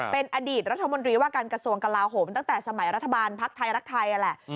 เป็นอดีตรัฐมนตรีว่าการกระทรวงกลาโหมตั้งแต่สมัยรัฐบาลภักดิ์ไทยรักไทยนั่นแหละ